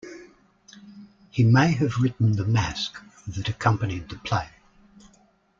He may have written the masque that accompanied the play.